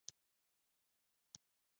آزاد تجارت مهم دی ځکه چې سازمانونه ملاتړ کوي.